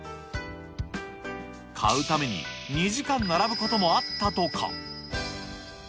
買うために２時間並ぶこともあったとか。